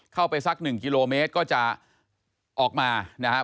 เข้าไปสักหนึ่งกิโลเมตรก็จะออกมานะครับ